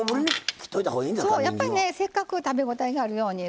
やっぱりねせっかく食べ応えがあるように。